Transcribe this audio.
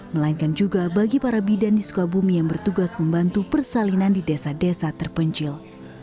melainkan juga bagi para bidan di sukabumi yang bertugas membantu persalinan di desa desa terpencil